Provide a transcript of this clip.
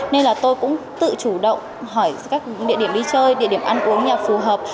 nên là tôi cũng tự chủ động hỏi các địa điểm đi chơi địa điểm ăn uống nhà phù hợp